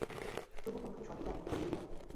তবুও, কোনোভাবে সর্বদা দিয়েই ফেলো।